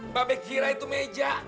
mbak begkira itu meja